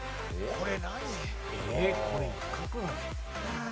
これ。